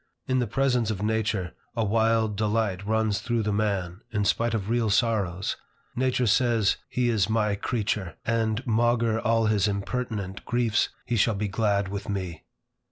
In the presence of nature, a wild delight runs through the man, in spite of real sorrows. Nature says, he is my creature, and maugre all his impertinent griefs, he shall be glad with me.